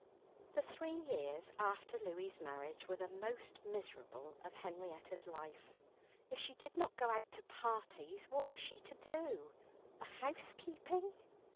The three years after Louie's marriage were the most miserable of Henrietta's life. If she did not go out to parties, what was she to do? The housekeeping?